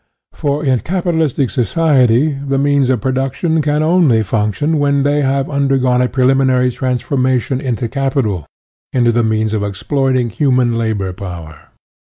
For in capitalistic society the means of pro duction can only function when they have undergone a preliminary transformation into capital, into the means of exploiting human labor power.